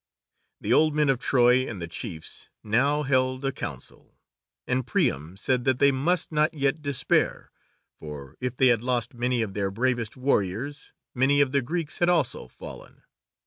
The old men of Troy and the chiefs now held a council, and Priam said that they must not yet despair, for, if they had lost many of their bravest warriors, many of the Greeks had also fallen.